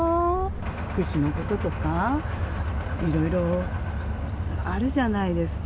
福祉のこととか、いろいろあるじゃないですか。